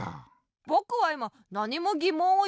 ぼくはいまなにもぎもんをいだいてないよ。